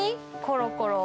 コロコロ。